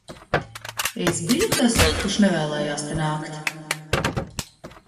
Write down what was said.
Es biju tas, kurš nevēlējās te nākt?